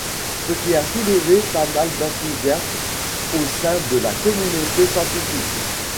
Ce qui a soulevé pas mal d'enthousiasme au sein de la communauté scientifique.